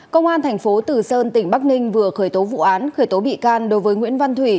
công an thành phố tử sơn tỉnh bắc ninh vừa khởi tố vụ án khởi tố bị can đối với nguyễn văn thủy